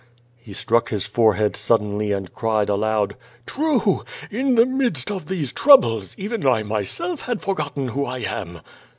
He struck his forehead suddenly and cried aloud: "True! In the midst of these troubles, even I myself had forgotten who I am."